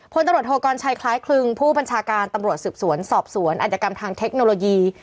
พลตำรวจโทกรชัยคล้ายคลึงผู้บัญชาการตำรวจสืบสวนสอบสวนอัธยกรรมทางเทคโนโลยี